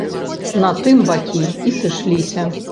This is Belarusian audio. На тым бакі і сышліся.